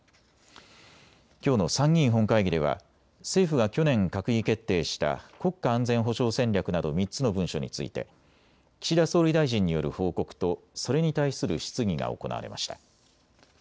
きょうの参議院本会議では政府が去年、閣議決定した国家安全保障戦略など３つの文書について岸田総理大臣による報告とそれに対する質疑が行われました。